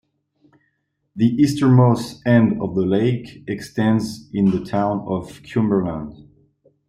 The easternmost end of the lake extends into the town of Cumberland.